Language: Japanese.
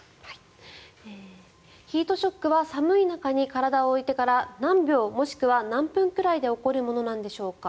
ヒートショックは寒い中に体を置いてから何秒、もしくは何分ぐらいで起こるものなんでしょうか？